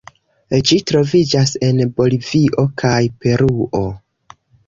Ĝi troviĝas en Bolivio kaj Peruo.